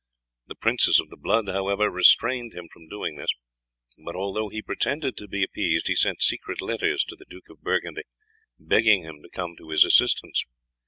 The princes of the blood, however, restrained him from doing this; but although he pretended to be appeased he sent secret letters to the Duke of Burgundy begging him to come to his assistance.